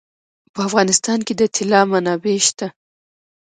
په افغانستان کې د طلا منابع شته.